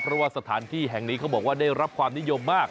เพราะว่าสถานที่แห่งนี้เขาบอกว่าได้รับความนิยมมาก